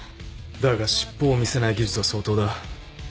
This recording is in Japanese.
だが尻尾を見せない技術は相当だ。